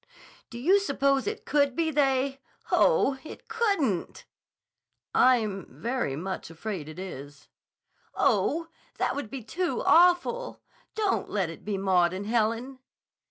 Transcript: "Do you suppose it could be they? Oh, it couldn't!" "I'm very much afraid it is." "Oh, that would be too awful! Don't let it be Maud and Helen!"